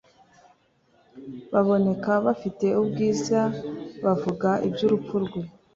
baboneka bafite ubwiza bavuga iby urupfu rwe